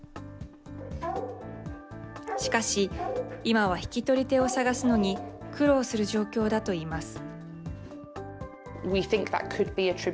しかし、今は引き取り手を探すのに苦労する状況だといいます。